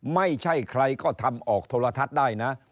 ไม่ใช่ใครก็ทำออกโทรทัศน์ได้นะ